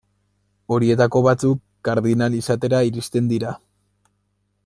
Horietako batzuk, kardinal izatera iristen dira.